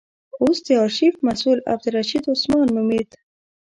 اوس د آرشیف مسئول عبدالرشید عثمان نومېد.